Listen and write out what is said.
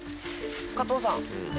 加藤さん。